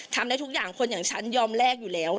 ทำได้ทุกอย่างคนอย่างฉันยอมแลกอยู่แล้ว